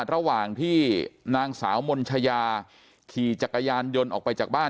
ระหว่างที่นางสาวมนชายาขี่จักรยานยนต์ออกไปจากบ้าน